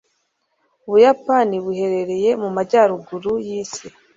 ubuyapani buherereye mu majyaruguru yisi